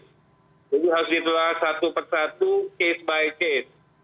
jadi harus ditelah satu persatu case by case